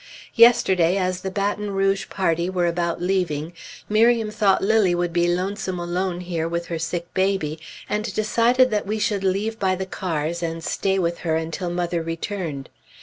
Yesterday as the Baton Rouge party were about leaving, Miriam thought Lilly would be lonesome alone here with her sick baby, and decided that we should leave by the cars, and stay with her until mother returned.